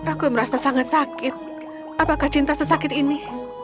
aku merasa sangat sakit apakah cinta sesakit ini